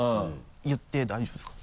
言って大丈夫ですか？